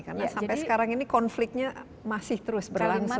karena sampai sekarang ini konfliknya masih terus berlangsung